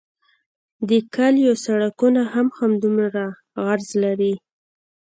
د کلیو سرکونه هم همدومره عرض لري